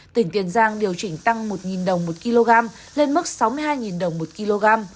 tỉnh tiền giang điều chỉnh tăng một đồng một kg lên mức sáu mươi hai đồng một kg